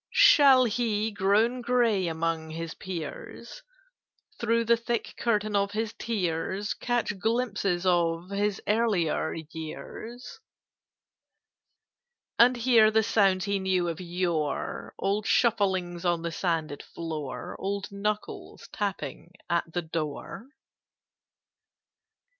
"Shall he, grown gray among his peers, Through the thick curtain of his tears Catch glimpses of his earlier years, [Picture: Shall Man be Man?] "And hear the sounds he knew of yore, Old shufflings on the sanded floor, Old knuckles tapping at the door?